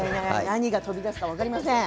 何が飛び出すか分かりません。